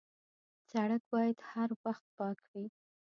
سړک باید هر وخت پاک وي.